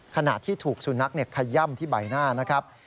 ขณะที่ถูกสุนัขขย่ำที่ใบหน้า